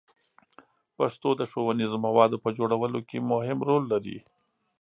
پښتو د ښوونیزو موادو په جوړولو کې مهم رول لري.